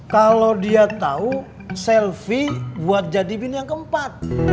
kalau dia tahu selfie buat jadi bintang keempat